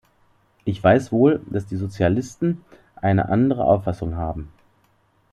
Ich weiß wohl, dass die Sozialisten eine andere Auffassung haben.